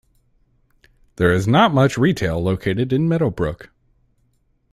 There is not much retail located in Meadowbrook.